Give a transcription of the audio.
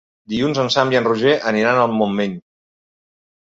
Dilluns en Sam i en Roger aniran al Montmell.